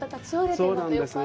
そうなんですね。